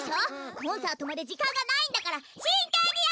コンサートまでじかんがないんだからしんけんにやってよ！